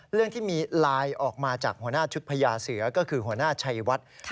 เรื่องที่มีไลน์ออกมาจากหัวหน้าชุดพญาเสือก็คือหัวหน้าชัยวัด